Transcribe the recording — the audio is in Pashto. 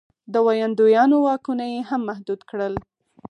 د ویاندویانو واکونه یې هم محدود کړل.